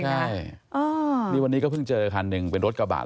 ไม่กล้าเข่าไปใกล้จริงค่ะวันนี้เพิ่งเจอคันหนึ่งเป็นรถกระบาท